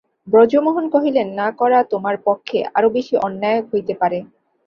ব্রজমোহন কহিলেন, না-করা তোমার পক্ষে আরো বেশি অন্যায় হইতে পারে।